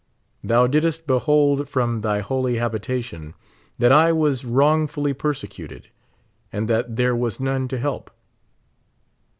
Thou didst behold from thy holy habitation that I was wrongfully persecuted, and that there was none to help.